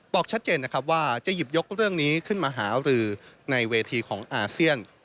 บอกชัดเจนนะครับว่าจะหยิบยกเรื่องนี้ขึ้นมาหารือในเวทีของอาเซียน